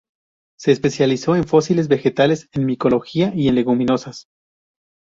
Se especializó en fósiles vegetales, en micología y en leguminosas.